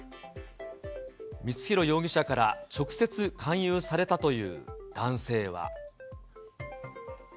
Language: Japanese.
光弘容疑者から直接、勧誘されたという男性は。